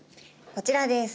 こちらです。